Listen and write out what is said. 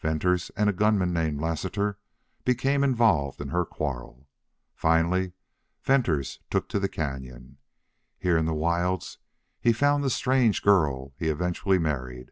Venters and a gunman named Lassiter became involved in her quarrel. Finally Venters took to the cañon. Here in the wilds he found the strange girl he eventually married.